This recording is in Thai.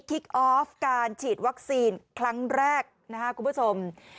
ออฟการฉีดวัคซีนครั้งแรกนะครับคุณผู้ชม